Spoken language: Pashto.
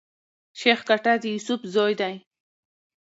شېخ ګټه د يوسف زوی دﺉ.